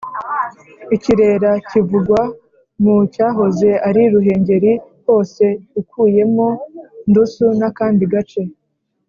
ikirera: kivugwa mu cyahoze ari ruhengeri hose ukuyemo ndusu n’akandi gace